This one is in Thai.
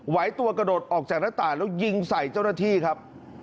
ไหวตัวกระโดดออกจากหน้าต่างแล้วยิงใส่เจ้าหน้าที่ครับ